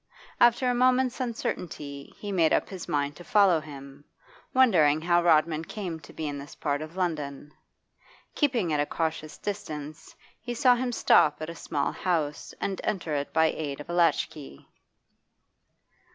After a moment's uncertainty he made up his mind to follow him, wondering how Rodman came to be in this part of London. Keeping at a cautious distance, he saw him stop at a small house and enter it by aid of a latchkey.